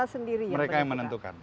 itu sepenuhnya mereka yang menentukan